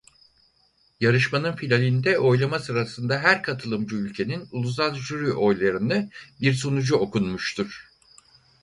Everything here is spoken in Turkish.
Yarışmanın finalinde oylama sırasında her katılımcı ülkenin ulusal jüri oylarını bir sunucu okunmuştur.